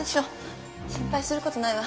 心配する事ないわ。